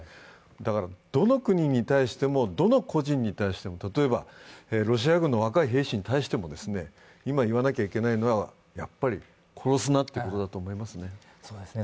だから、どの国に対しても、どの個人に対しても、例えばロシア軍の若い兵士に対しても今言わなきゃいけないのは殺すなということだと思いますね。